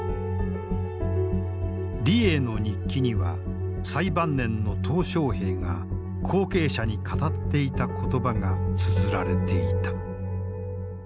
李鋭の日記には最晩年の小平が後継者に語っていた言葉がつづられていた。